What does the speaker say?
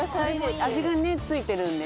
味がね付いてるんでね。